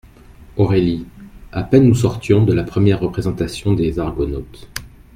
Aurélie. — A peine nous sortions … de la première représentation des Argonautes …